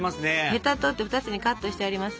ヘタ取って２つにカットしてあります。